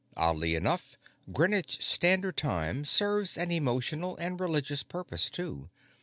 Oddly enough, Greenwich Standard Time serves an emotional and religious purpose, too.